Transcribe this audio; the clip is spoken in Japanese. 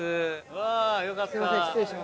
うわーよかった！